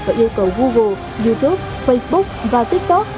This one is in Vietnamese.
và yêu cầu google youtube facebook và tiktok